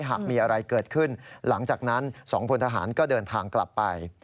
หากมีอะไรเกิดขึ้นหลังจากนั้น๒พลทหารก็เดินทางกลับไป